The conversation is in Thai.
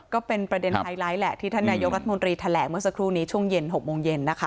ก็เป็นประเด็นไฮไลท์แหละที่ท่านนายกรัฐมนตรีแถลงเมื่อสักครู่นี้ช่วงเย็น๖โมงเย็นนะคะ